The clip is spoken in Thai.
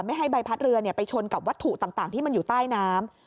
ให้ใบพัดเรือไปชนกับวัตถุต่างที่มันอยู่ใต้น้ำ